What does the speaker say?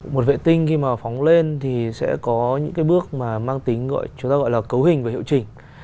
một vệ tinh khi mà phóng lên thì sẽ có những cái bước mà mang tính gọi chúng ta gọi là cấu hình và hiệu chỉnh